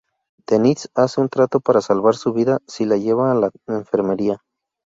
Denise hace un trato para salvar su vida si la lleva a la enfermería.